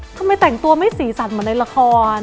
ทำไมแต่งตัวไม่สีสันเหมือนในละคร